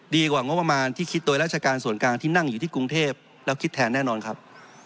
กว่างบประมาณที่คิดโดยราชการส่วนกลางที่นั่งอยู่ที่กรุงเทพแล้วคิดแทนแน่นอนครับ